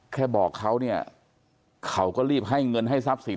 แค่บอกเขาเนี่ยเขาก็รีบให้เงินให้ทรัพย์สิน